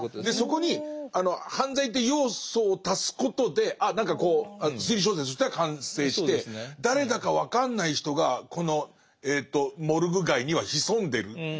でそこに犯罪って要素を足すことで何かこう推理小説としては完成して誰だか分かんない人がこのモルグ街には潜んでる。